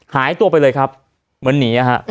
หายตัวไปเลยครับเหมือนหนี